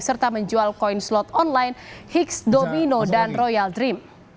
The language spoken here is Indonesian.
serta menjual koin slot online hiks domino dan royal dream